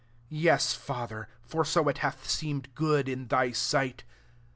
26 Yes, Father; for so it hath seemed good in thy sight.